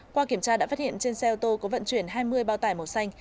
qua kiểm tra đã phát hiện trên xe ô tô có vận chuyển hai mươi bao tải màu xanh